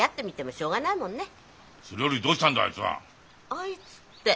「あいつ」って？